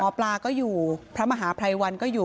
หมอปลาก็อยู่พระมหาภัยวันก็อยู่